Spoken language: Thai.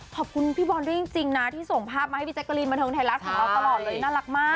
ขอบคุณพี่บอลด้วยจริงนะที่ส่งภาพมาให้พี่แจ๊กรีนบันเทิงไทยรัฐของเราตลอดเลยน่ารักมาก